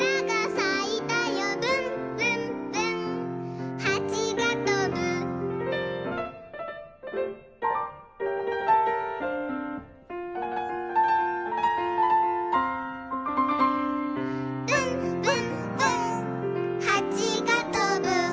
「ぶんぶんぶんはちがとぶ」「ぶんぶんぶんはちがとぶ」